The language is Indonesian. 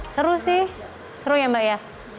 seru sih seru ya mbak ya